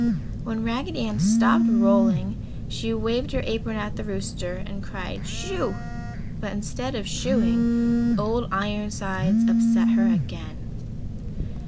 When Raggedy Ann stopped rolling she waved her apron at the rooster and cried, "Shoo!" but instead of "shooing," Old Ironsides upset her again.